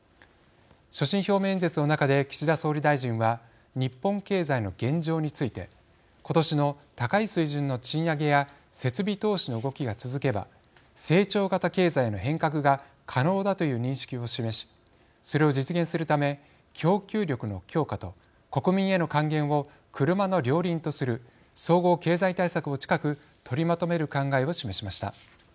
所信表明演説の中で岸田総理大臣は日本経済の現状について今年の高い水準の賃上げや設備投資の動きが続けば成長型経済への変革が可能だという認識を示しそれを実現するため供給力の強化と国民への還元を車の両輪とする総合経済対策を近く取りまとめる考えを示しました。